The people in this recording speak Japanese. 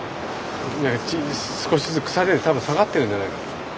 少しずつ腐れで多分下がってるんじゃないか。